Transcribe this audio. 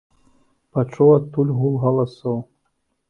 Пачуў адтуль гул галасоў.